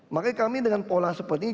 makanya kami dengan pola seperti ini